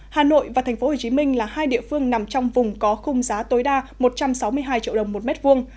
hà nội và tp hcm là hai địa phương nằm trong vùng có khung giá tối đa một trăm sáu mươi hai triệu đồng một mét vuông